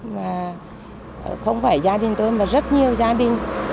mà không phải gia đình tôi mà rất nhiều gia đình